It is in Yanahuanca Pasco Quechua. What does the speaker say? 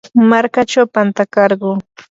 markachaw pantakarquu.